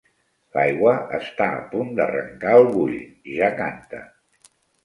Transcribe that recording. L'aigua està a punt d'arrencar el bull: ja canta.